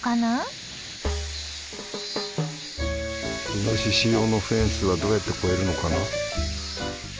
イノシシ用のフェンスはどうやって越えるのかな？